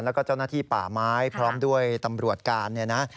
แล้วก็เจ้าหน้าที่ป่าไม้พร้อมด้วยตำรวจการเนี่ยนะ